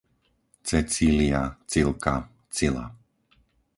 Cecília, Cilka, Cila